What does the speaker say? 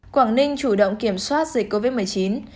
quảng ninh chủ động kiểm soát dịch covid một mươi chín